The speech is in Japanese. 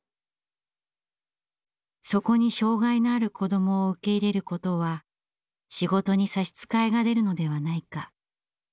そこに障害のある子どもを受け入れることは仕事に差し支えが出るのではないか。